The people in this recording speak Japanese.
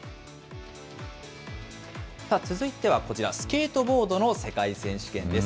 さあ、続いてはこちら、スケートボードの世界選手権です。